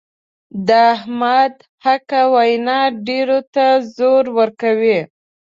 د احمد حقه وینا ډېرو ته زور ورکوي.